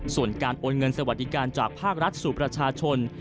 ส่วนการโอนเงินสวัสดิการจากภาครัฐสู่ประชาชน